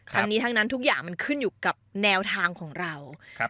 ทั้งนี้ทั้งนั้นทุกอย่างมันขึ้นอยู่กับแนวทางของเรา